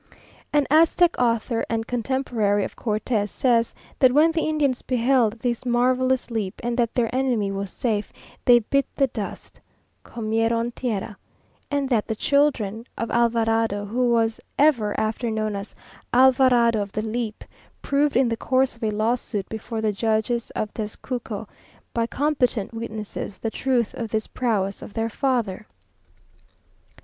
An Aztec author, and contemporary of Cortes, says that when the Indians beheld this marvellous leap, and that their enemy was safe, they bit the dust (comieron tierra); and that the children of Alvarado, who was ever after known as "Alvarado of the leap," proved in the course of a lawsuit before the judges of Tezcuco, by competent witnesses, the truth of this prowess of their father.